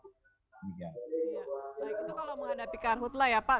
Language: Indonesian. baik itu kalau menghadapi karhutlah ya pak